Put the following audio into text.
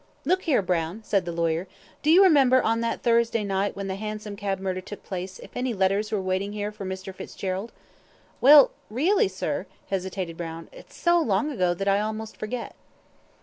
"Look here, Brown," said the lawyer, "do you remember on that Thursday night when the hansom cab murder took place if any letters were waiting here for Mr. Fitzgerald?" "Well, really, sir," hesitated Brown, "it's so long ago that I almost forget."